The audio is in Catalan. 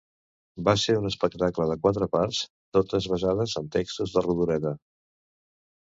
Va ser un espectacle de quatre parts, totes basades en textos de Rodoreda.